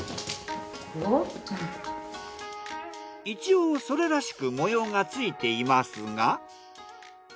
一応それらしく模様がついていますが。